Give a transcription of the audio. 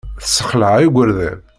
Tessexleɛ igerdan.